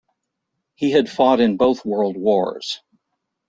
He had fought in both World Wars.